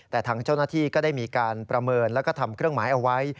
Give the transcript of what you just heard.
แต่ทางเจ้าหน้าที่ก็ได้มีการประเมินแล้วก็ทำเครื่องหมายเอาไว้